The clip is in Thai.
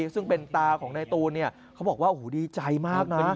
ซึ่งเป็นตาของนายตูนเขาบอกว่าโอ้โหดีใจมากนะ